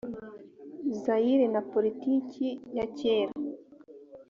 zayire na poritiki ya cyera